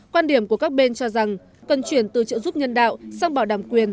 quan điểm của các bên cho rằng cần chuyển từ trợ giúp nhân đạo sang bảo đảm quyền